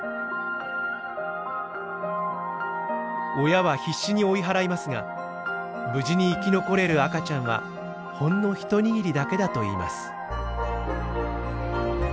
親は必死に追い払いますが無事に生き残れる赤ちゃんはほんの一握りだけだといいます。